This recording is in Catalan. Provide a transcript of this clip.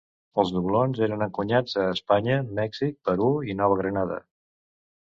Els doblons eren encunyats a Espanya, Mèxic, Perú i Nova Granada.